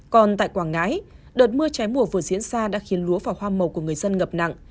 còn tại quảng ngãi đợt mưa trái mùa vừa diễn ra đã khiến lúa và hoa màu của người dân ngập nặng